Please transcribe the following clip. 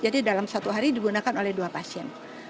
jadi dalam satu hari digunakan oleh dua pasien